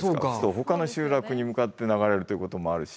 ほかの集落に向かって流れるということもあるし。